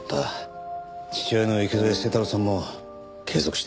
父親の池添清太郎さんも継続して息子から。